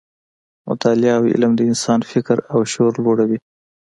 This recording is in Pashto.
مطالعه او علم د انسان فکر او شعور لوړوي.